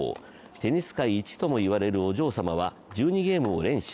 テニス界１ともいわれるお嬢様は１２ゲームを連取。